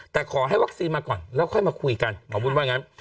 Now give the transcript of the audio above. แต่ขอให้วัคซีนมาก่อนแล้วค่อยมาคุยกันหมอบุญว่างั้น